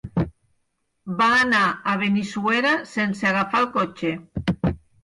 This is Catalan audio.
Va anar a Benissuera sense agafar el cotxe.